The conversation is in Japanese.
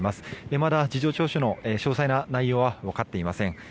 まだ、事情聴取の詳細な内容は分かっていません。